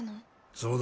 そうだ。